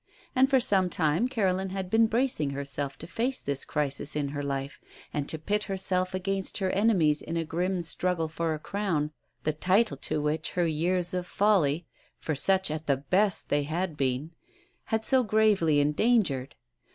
And for some time Caroline had been bracing herself to face this crisis in her life and to pit herself against her enemies in a grim struggle for a crown, the title to which her years of folly (for such at the best they had been) had so gravely endangered.